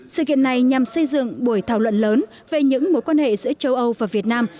sự kiện này nhằm xây dựng buổi thảo luận lớn về những mối quan hệ giữa châu âu và việt nam